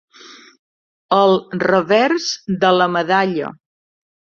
El revers de la medalla.